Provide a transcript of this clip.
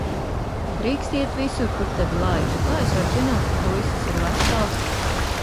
Drīkst iet visur, kur tevi laiž. Kā es varu zināt, ka puisis ir vesels?